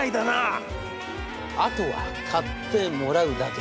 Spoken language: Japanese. あとは買ってもらうだけ。